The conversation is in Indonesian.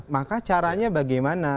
maka caranya bagaimana